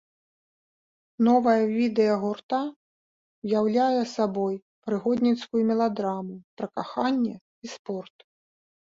Новае відэа гурта ўяўляе сабой прыгодніцкую меладраму пра каханне і спорт.